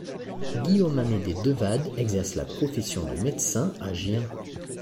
Guillaume-Amédée Devade exerce la profession de médecin à Gien.